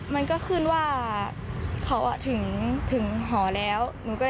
มันก็ขึ้นว่าเขาถึงหอแล้ว